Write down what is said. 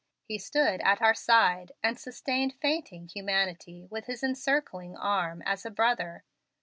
He stood at our side, and sustained fainting humanity with His encircling arm, as a brother.